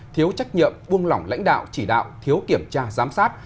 thiếu trách nhiệm buông lỏng lãnh đạo chỉ đạo thiếu kiểm tra giám sát